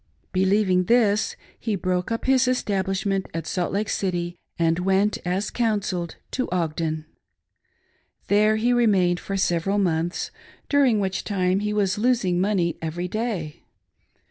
i, 'Believing this, he broke up his establishment at Salt Lake City, and went, as " counselled," to Ogden. There he re mained for several months, during which time he was losing money every day.